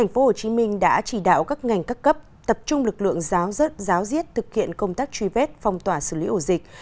tp hcm đã chỉ đạo các ngành cấp cấp tập trung lực lượng giáo dứt giáo diết thực hiện công tác truy vết phòng tỏa xử lý ổ dịch